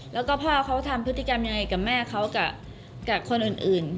แล้วก็พ่อเขาทำพฤติกรรมยังไงกับแม่เขากับคนอื่น